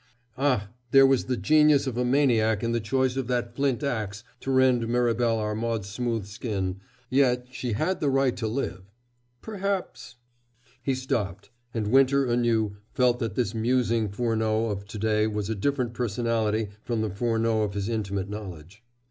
Ah, there was the genius of a maniac in the choice of that flint ax to rend Mirabel Armaud's smooth skin yet she had the right to live perhaps " He stopped; and Winter anew felt that this musing Furneaux of to day was a different personality from the Furneaux of his intimate knowledge.